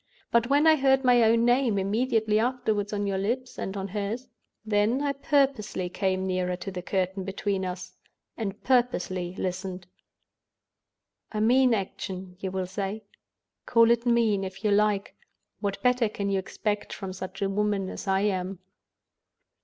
But when I heard my own name immediately afterward on your lips and on hers, then I purposely came nearer to the curtain between us, and purposely listened. "A mean action, you will say? Call it mean, if you like. What better can you expect from such a woman as I am?